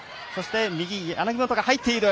右に柳本が入っている。